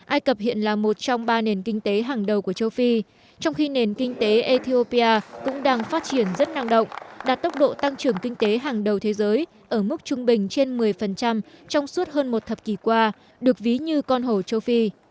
ai cập hiện là một trong ba nền kinh tế hàng đầu của châu phi trong khi nền kinh tế ethiopia cũng đang phát triển rất năng động đạt tốc độ tăng trưởng kinh tế hàng đầu thế giới ở mức trung bình trên một mươi trong suốt hơn một thập kỷ qua được ví như con hồ châu phi